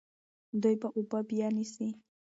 دوی به اوبه بیا نیسي.